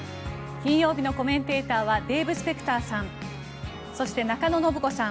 金曜日のコメンテーターはデーブ・スペクターさんそして、中野信子さん